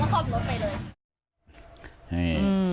แล้วเขาก็เข้าบรถไปเลย